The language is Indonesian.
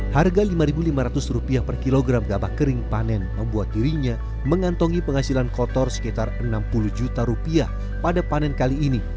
harga rp lima lima ratus per kilogram gabah kering panen membuat dirinya mengantongi penghasilan kotor sekitar rp enam puluh juta rupiah pada panen kali ini